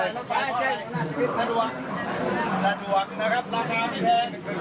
ก็ต้องมารถไปกระบวนทางหาข้าวกินค่ะ